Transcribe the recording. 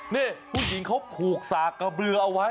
นี่ผู้หญิงเขาผูกสากกระเบือเอาไว้